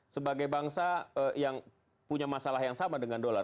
sebagai bangsa yang punya masalah yang sama dengan dolar